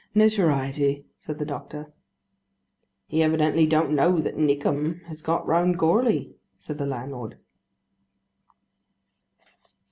"Notoriety," said the doctor. "He evidently don't know that Nickem has got round Goarly," said the landlord.